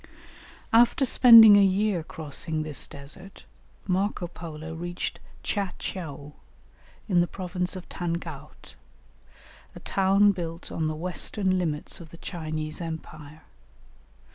After spending a year crossing this desert, Marco Polo reached Tcha tcheou, in the province of Tangaut, a town built on the western limits of the Chinese empire.